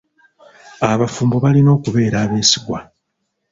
Abafumbo balina okubeera abeesigwa.